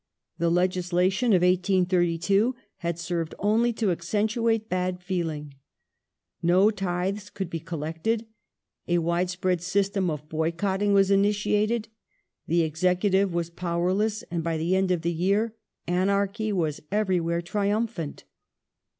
The legislation of 1832 had served only to accentuate bad feeling ; no tithes could be collected ; a widespread system of " boycotting " was initiated ; the Executive was powerless, and by the end of the year anarchy was everywhere triumphant.